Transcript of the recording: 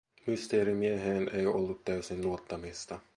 Mysteerimieheen ei ollut täysin luottamista.